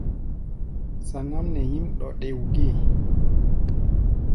Zaŋ-ám nɛ nyím ɗo ɗɛ̧́ú̧ gée.